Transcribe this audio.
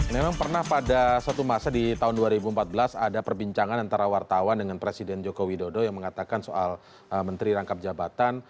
memang pernah pada satu masa di tahun dua ribu empat belas ada perbincangan antara wartawan dengan presiden joko widodo yang mengatakan soal menteri rangkap jabatan